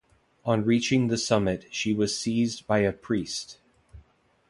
On reaching the summit, she was seized by a priest.